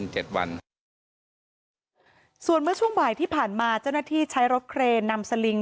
เจ้าหน้าที่ใช้รถเกลนดับสลิง